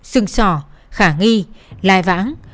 sừng sò khả nghi lai vãng